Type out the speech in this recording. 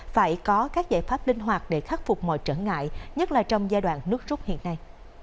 phải có các giải pháp linh hoạt để khắc phục mọi trở ngại nhất là trong giai đoạn nước rút hiện nay